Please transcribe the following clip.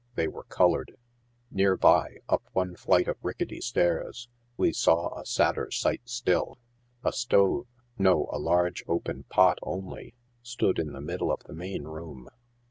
They were colored. Near by, up one flight of ricketty stairs, we saw a sadder sight still. A stove — no, a large open pot only, s'ood in the middle of the main room.